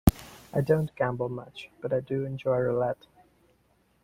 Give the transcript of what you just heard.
I don't gamble much, but I do enjoy roulette.